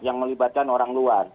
yang melibatkan orang luar